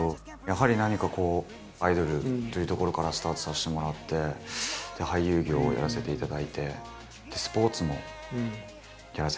やはり何かこうアイドルというところからスタートさせてもらって俳優業をやらせていただいてスポーツもやらせていただいて。